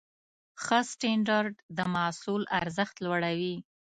ښه سټنډرډ د محصول ارزښت لوړوي.